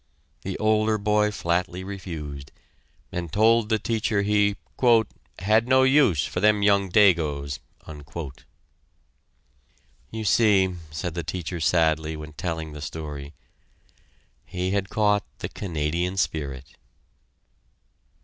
The older boy flatly refused, and told the teacher he "had no use for them young dagos." "You see," said the teacher sadly, when telling the story, "he had caught the Canadian spirit."